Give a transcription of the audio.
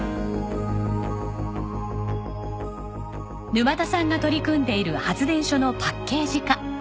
沼田さんが取り組んでいる発電所のパッケージ化。